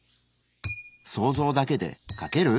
想像だけで描ける？